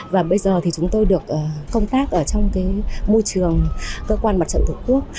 và bây giờ thì chúng tôi được công tác ở trong môi trường cơ quan mặt trận thủ quốc